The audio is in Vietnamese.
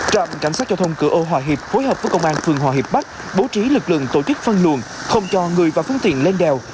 trạm cảnh sát giao thông cửa âu hòa hiệp hối hợp với công an phường hòa hiệp bắc bố trí lực lượng tổ chức phân luồn không cho người và phương tiện lên đèo